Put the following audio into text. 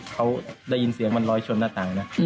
เขาได้ยินเสียงมันร้อยชนหน้าต่างนะ